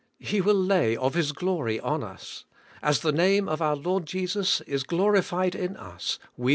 He will lay of His glory on us: As the name of our Lord Jesus is AS CHRIST IN THE FATHER.